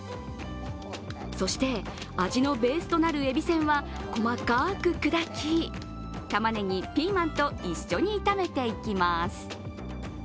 そして、味のベースとなるえびせんは細かく砕き、たまねぎ、ピーマンと一緒に炒めていきます。